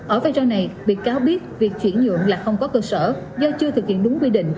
ở vai trò này bị cáo biết việc chuyển nhượng là không có cơ sở do chưa thực hiện đúng quy định